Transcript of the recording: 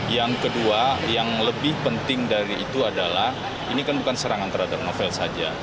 yang kedua yang lebih penting dari itu adalah ini kan bukan serangan terhadap novel saja